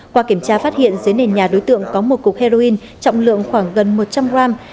qua kiểm tra phát hiện dưới nền nhà đối tượng có một cục heroin trọng lượng khoảng gần một trăm linh gram